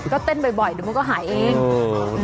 ก็เต้นบ่อยเดี๋ยวมันก็หายเอง